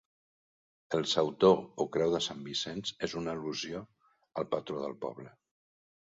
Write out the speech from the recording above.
El sautor o creu de Sant Vicenç és una al·lusió al patró del poble.